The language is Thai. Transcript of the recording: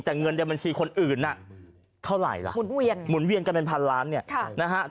แต่เงินในบัญชีคนอื่นน่ะเท่าไหร่ล่ะหุ่นเวียนกันเป็นพันล้านเนี่ยนะฮะ